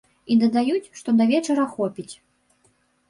І дадаюць, што да вечара хопіць.